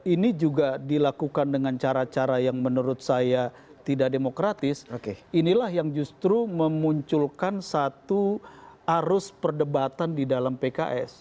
tapi kalau saya melihat perpecahan dengan cara cara yang menurut saya tidak demokratis inilah yang justru memunculkan satu arus perdebatan di dalam pks